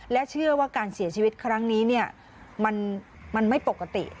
และเชื่อว่าการเสียชีวิตครั้งนี้มันไม่ปกติ